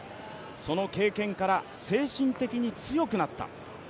その経験から精神的に強くなった。